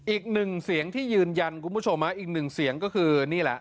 อีกหนึ่งเสียงที่ยืนยันคุณผู้ชมอีกหนึ่งเสียงก็คือนี่แหละ